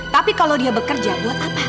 tapi kalau dia bekerja buat apa